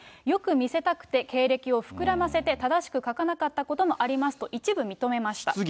よく見せたくて、経歴を膨らませて、正しく書かなかったこともありますと一部、認めました。